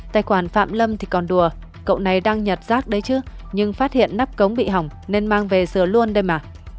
tài khoản phạm lâm thì còn đùa cậu này đang nhặt rác đấy chứ nhưng phát hiện nắp cống bị hỏng nên mang về sửa luôn đây mà